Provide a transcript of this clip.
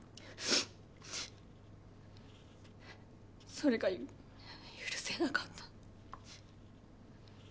それが許せなかった。